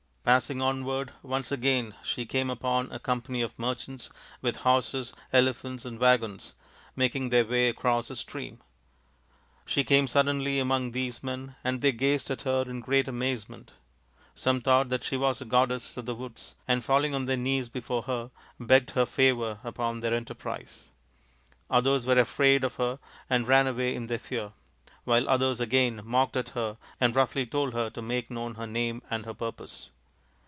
Passing onward once again she came upon a company of merchants with horses, elephants, and waggons making their way across a stream. She came suddenly among these men, and they gazed at her in great amazement. Some thought that she was a goddess of the woods, and falling on their knees before her begged her favour upon their enterprise. Others were afraid of her and ran away in their fear, while others again mocked at her and roughly told her to make known her name and her purpose.